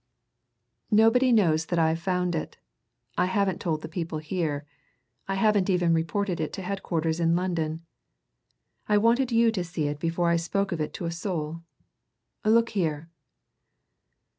Nobody knows that I've found it. I haven't told the people here I haven't even reported it to headquarters in London. I wanted you to see it before I spoke of it to a soul. Look here!"